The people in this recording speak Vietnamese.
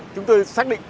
chúng tôi sách hình ảnh